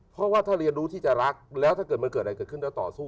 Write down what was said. เพราะว่าถ้าเรียนรู้ที่จะรักแล้วถ้าเกิดมันเกิดอะไรเกิดขึ้นแล้วต่อสู้